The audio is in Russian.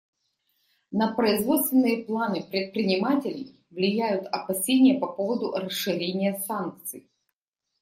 На производственные планы предпринимателей влияют опасения по поводу расширения санкций.